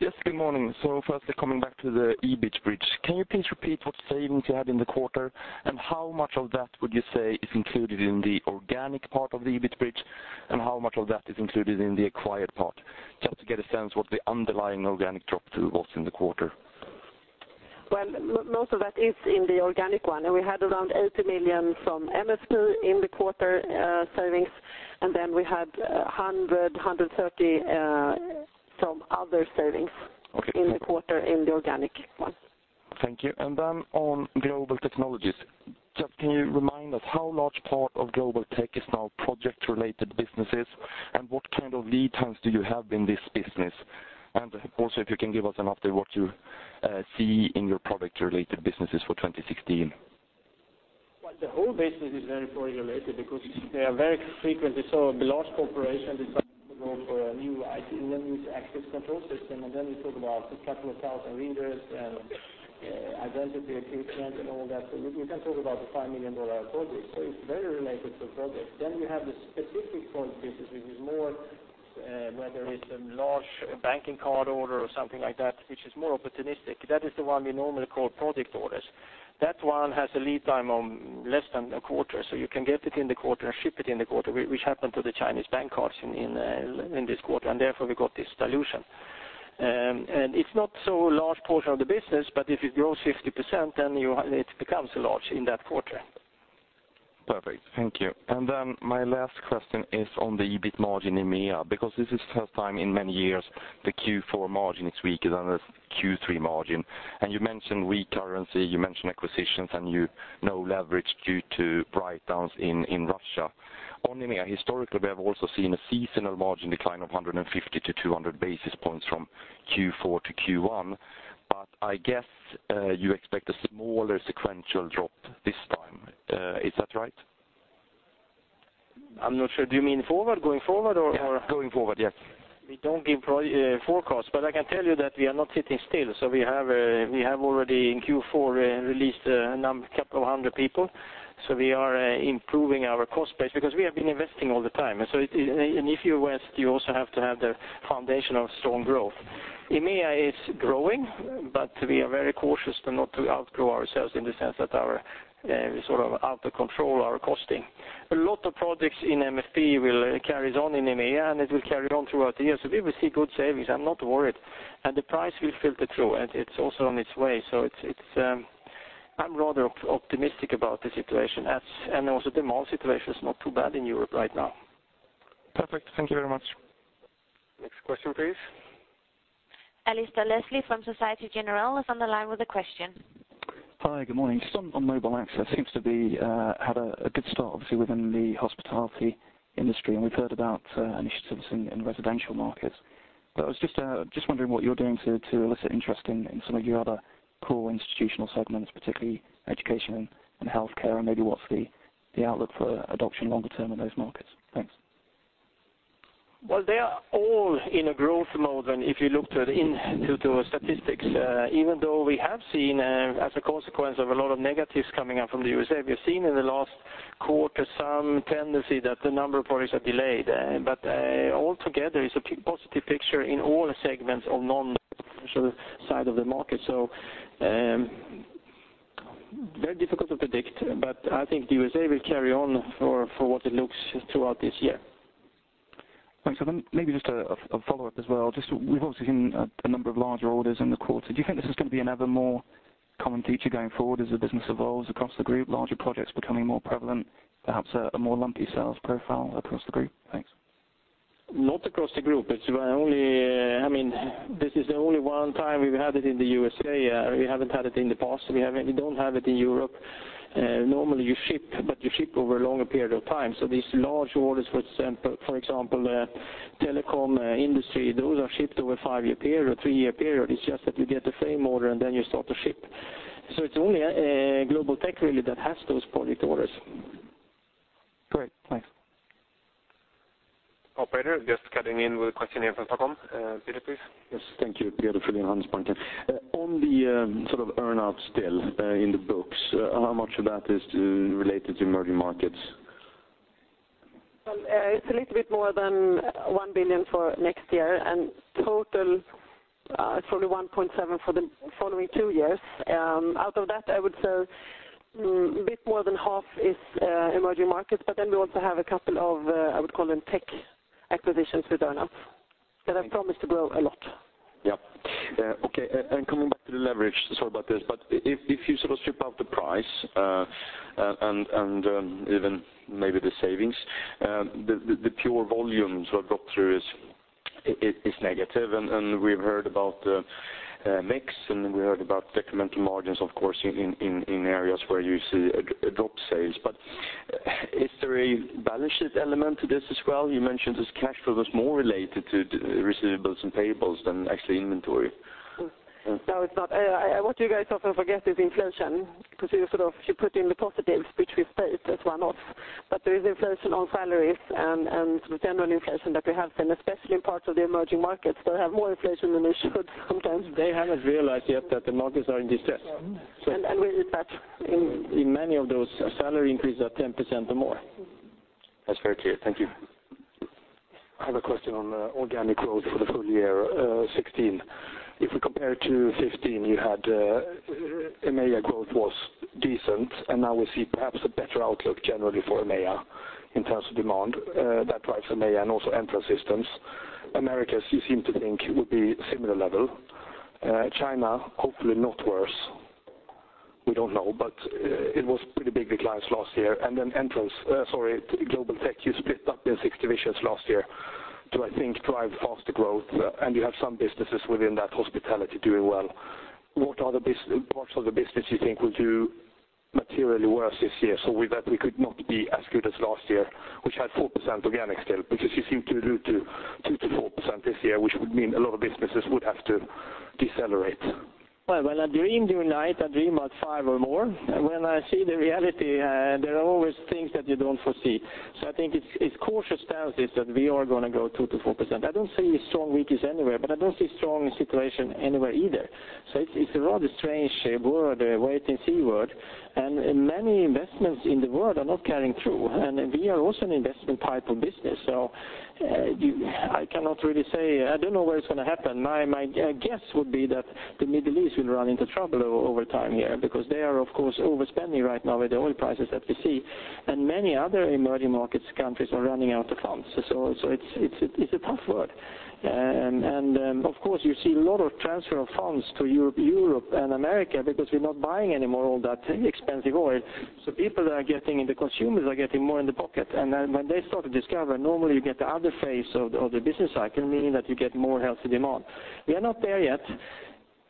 Yes, good morning. firstly, coming back to the EBIT bridge. Can you please repeat what savings you had in the quarter, and how much of that would you say is included in the organic part of the EBIT bridge, and how much of that is included in the acquired part? Just to get a sense what the underlying organic drop was in the quarter. Well, most of that is in the organic one, we had around 80 million from MSP in the quarter savings, then we had 100, 130 from other savings- Okay in the quarter in the organic one. Thank you. then on Global Technologies, just can you remind us how large part of Global Tech is now project-related businesses, what kind of lead times do you have in this business? also, if you can give us an update what you see in your product-related businesses for 2016. The whole business is very project-related because they are very frequently. A large corporation decides to go for a new IT and then use access control system, and then we talk about a couple of 1,000 readers and identity equipment and all that. We can talk about a $5 million project. It's very related to projects. We have the specific project business, which is more where there is a large banking card order or something like that, which is more opportunistic. That is the one we normally call project orders. That one has a lead time of less than one quarter. You can get it in the quarter and ship it in the quarter, which happened to the Chinese bank cards in this quarter, and therefore we got this dilution. It's not so large portion of the business, but if it grows 50%, then it becomes large in that quarter. Perfect. Thank you. My last question is on the EBIT margin in EMEA, because this is the first time in many years the Q4 margin is weaker than the Q3 margin. You mentioned weak currency, you mentioned acquisitions, and no leverage due to write-downs in Russia. On EMEA, historically, we have also seen a seasonal margin decline of 150-200 basis points from Q4 to Q1, I guess you expect a smaller sequential drop this time. Is that right? I'm not sure. Do you mean going forward, or? Yeah, going forward, yes. We don't give forecasts. I can tell you that we are not sitting still. We have already in Q4 released a couple of hundred people. We are improving our cost base because we have been investing all the time. If you invest, you also have to have the foundation of strong growth. EMEA is growing. We are very cautious to not outgrow ourselves in the sense that we sort of out of control our costing. A lot of projects in MSP will carry on in EMEA. It will carry on throughout the year. We will see good savings. I'm not worried. The price will filter through, and it's also on its way. I'm rather optimistic about the situation, and also the mall situation is not too bad in Europe right now. Perfect. Thank you very much. Next question, please. Alasdair Leslie from Societe Generale is on the line with a question. Hi, good morning. Just on Mobile Access, seems to have a good start, obviously, within the hospitality industry, and we've heard about initiatives in residential markets. I was just wondering what you're doing to elicit interest in some of your other core institutional segments, particularly education and healthcare, and maybe what's the outlook for adoption longer term in those markets? Thanks. Well, they are all in a growth mode, and if you looked into the statistics, even though we have seen as a consequence of a lot of negatives coming out from the USA, we've seen in the last quarter some tendency that the number of projects are delayed. Altogether, it's a positive picture in all the segments of non-commercial side of the market. Very difficult to predict, but I think the USA will carry on for what it looks throughout this year. Thanks. Then maybe just a follow-up as well. Just, we've obviously seen a number of larger orders in the quarter. Do you think this is going to be an ever more common feature going forward as the business evolves across the group, larger projects becoming more prevalent, perhaps a more lumpy sales profile across the group? Thanks. Not across the group. This is only one time we've had it in the U.S.A. We haven't had it in the past. We don't have it in Europe. Normally you ship, but you ship over a longer period of time. These large orders, for example, telecom industry, those are shipped over a five-year period, three-year period. It's just that you get the frame order and then you start to ship. It's only Global Technologies, really, that has those project orders. Great. Thanks. Operator, just cutting in with a question here from please. Yes. Thank you. Peter Fridh from Handelsbanken. On the sort of earn out still in the books, how much of that is related to emerging markets? Well, it's a little bit more than 1 billion for next year. Total, it's probably 1.7 billion for the following two years. Out of that, I would say a bit more than half is emerging markets. We also have a couple of, I would call them tech acquisitions with earn out that are promised to grow a lot. Yeah. Okay, coming back to the leverage, sorry about this. If you strip out the price, even maybe the savings, the pure volume sort of drop through is negative. We've heard about the mix, we heard about decremental margins, of course, in areas where you see a drop in sales. Is there a balance sheet element to this as well? You mentioned this cash flow was more related to receivables and payables than actually inventory. No, it's not. What you guys often forget is inflation, because you put in the positives, which we've paid as one-off. There is inflation on salaries and general inflation that we have. Especially in parts of the emerging markets, they have more inflation than they should sometimes. They haven't realized yet that the markets are in distress. With that. In many of those, salary increases are 10% or more. That's very clear. Thank you. I have a question on organic growth for the full year 2016. If we compare it to 2015, you had EMEA growth was decent. Now we see perhaps a better outlook generally for EMEA in terms of demand that drives EMEA and also Entrance Systems. Americas. You seem to think will be similar level. China. Hopefully not worse. We don't know, but it was pretty big declines last year. Then Global Technologies, you split up into 6 divisions last year to, I think, drive faster growth, and you have some businesses within that hospitality doing well. What are the parts of the business you think will do materially worse this year, so with that, we could not be as good as last year, which had 4% organic still, because you seem to allude to 2 to 4% this year, which would mean a lot of businesses would have to decelerate. Well, when I dream during night, I dream about 5 or more. When I see the reality, there are always things that you don't foresee. I think it's cautious stance is that we are going to grow 2 to 4%. I don't see strong weakness anywhere, but I don't see strong situation anywhere either. It's a rather strange world, a wait and see world, and many investments in the world are not carrying through, and we are also an investment type of business, so I cannot really say. I don't know where it's going to happen. My guess would be that the Middle East will run into trouble over time here, because they are, of course, overspending right now with the oil prices that we see. Many other emerging markets countries are running out of funds. It's a tough world, and of course, you see a lot of transfer of funds to Europe and America because we're not buying any more of that expensive oil. People are getting, and the consumers are getting more in the pocket, and then when they start to discover, normally you get the other phase of the business cycle, meaning that you get more healthy demand. We are not there yet,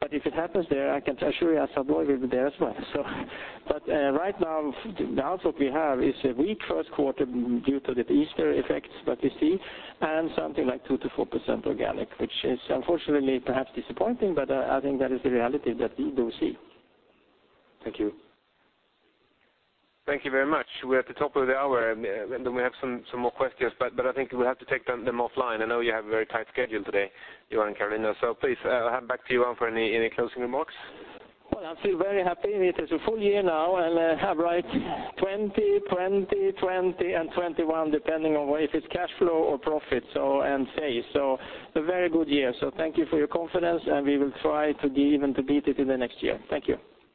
but if it happens there, I can assure you Assa Abloy will be there as well. Right now, the outlook we have is a weak first quarter due to the Easter effects that we see, and something like 2 to 4% organic, which is unfortunately perhaps disappointing, but I think that is the reality that we do see. Thank you. Thank you very much. We're at the top of the hour, and then we have some more questions, but I think we'll have to take them offline. I know you have a very tight schedule today, Johan and Carolina. Please, hand back to Johan for any closing remarks. Well, I feel very happy. It is a full year now, and have right 20, 20, and 21, depending on if it's cash flow or profit and phase. A very good year. Thank you for your confidence, and we will try to even to beat it in the next year. Thank you